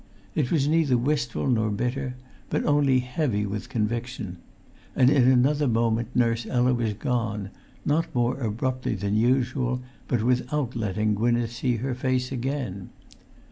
It was neither wistful nor bitter, but only heavy with conviction; and in another moment Nurse Ella was gone, not more abruptly than usual, but without letting Gwynneth see her face again.